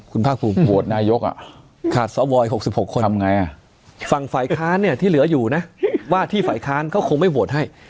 คุณภาคภูมิขาดสอบวอลอีก๖๖คนฟังไฝคร้านที่เหลืออยู่นะว่าที่ไฝคร้านเขาคงไม่โหวตให้